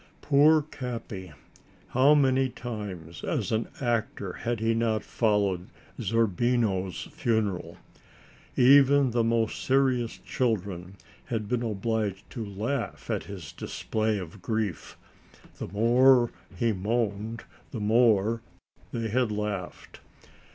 Poor Capi! how many times, as an actor, had he not followed Zerbino's funeral. Even the most serious children had been obliged to laugh at his display of grief. The more he moaned, the more they had laughed.